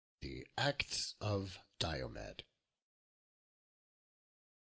THE ACTS OF DIOMED.